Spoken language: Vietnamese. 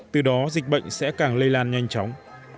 từ đó dịch bệnh sẽ càng lây lan nhanh chóng